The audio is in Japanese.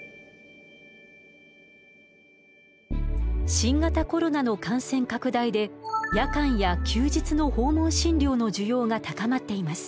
新型コロナの感染拡大で夜間や休日の訪問診療の需要が高まっています。